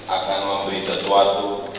akan memberi sesuatu